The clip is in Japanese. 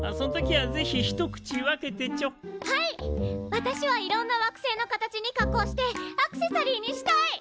私はいろんな惑星の形に加工してアクセサリーにしたい！